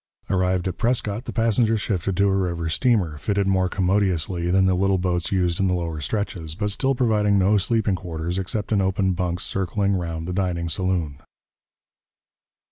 Arrived at Prescott, the passengers shifted to a river steamer, fitted more commodiously than the little boats used in the lower stretches, but still providing no sleeping quarters except in open bunks circling round the dining saloon.